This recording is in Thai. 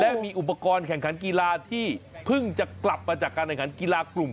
และมีอุปกรณ์แข่งขันกีฬาที่เพิ่งจะกลับมาจากการแข่งขันกีฬากลุ่ม